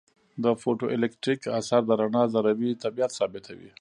د فوټو الیټکریک اثر د رڼا ذروي طبیعت ثابتوي.